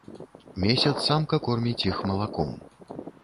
Месяц самка корміць іх малаком.